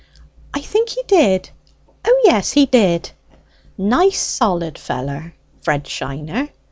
"I think he did: O yes, he did." "Nice solid feller, Fred Shiner!"